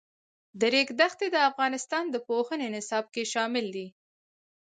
د ریګ دښتې د افغانستان د پوهنې نصاب کې شامل دي.